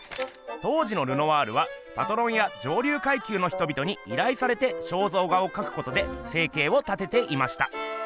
当時のルノワールはパトロンや上流階級のひとびとにいらいされて肖像画をかくことで生計を立てていました。